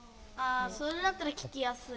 それだったら聞きやすい。